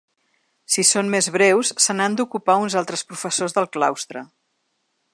Si són més breus, se n’han d’ocupar uns altres professors del claustre.